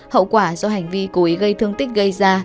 hậu quả do hành vi cố ý gây thương tích gây ra